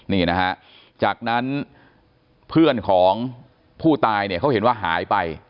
นี่นะฮะจากนั้นเพื่อนของผู้ตายเนี่ยเขาเห็นว่าหายไป